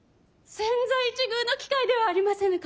千載一遇の機会ではありませぬか。